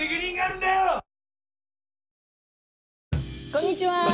こんにちは。